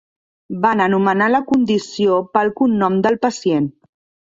Van anomenar la condició pel cognom del pacient.